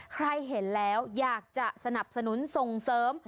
ใครเห็นแล้วอยากจะสนับสนุนส่งเสริม